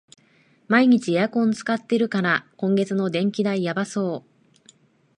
毎日エアコン使ってるから、今月の電気代やばそう